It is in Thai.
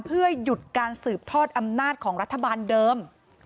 เพื่อหยุดการสืบทอดอำนาจของรัฐบาลเดิม